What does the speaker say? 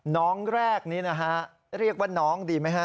น้องแรกนี้นะฮะเรียกว่าน้องดีไหมฮะ